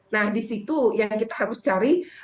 nah di situ yang kita harus cari